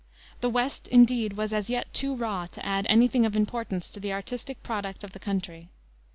The West, indeed, was as yet too raw to add any thing of importance to the artistic product of the country.